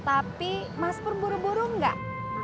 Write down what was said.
tapi mas pur buru buru nggak